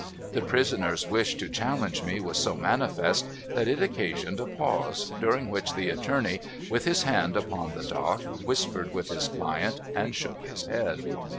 The prisoner's wish to challenge me was so manifest, that it occasioned a pause, during which the attorney, with his hand upon the dock, whispered with his client, and shook his head.